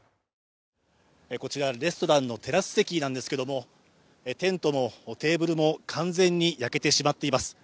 こちらレストランのテラス席なんですけども、テントもテーブルも完全に焼けてしまっています。